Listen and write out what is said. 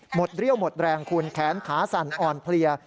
เรี่ยวหมดแรงคุณแขนขาสั่นอ่อนเพลีย